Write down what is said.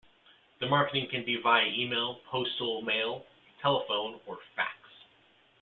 The marketing can be via e-mail, postal mail, telephone, or fax.